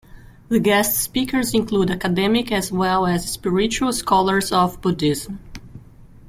The guest speakers include academic as well as spiritual scholars of Buddhism.